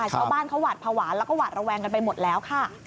ชาวบ้านเขาหวาดภาวะแล้วก็หวาดระแวงกันไปหมดแล้วค่ะ